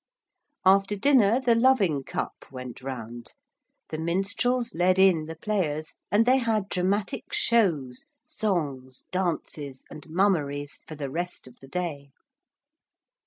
After dinner the loving cup went round: the minstrels led in the players: and they had dramatic shows, songs, dances and 'mummeries' for the rest of the day.